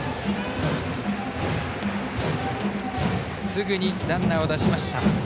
すぐにランナーを出しました。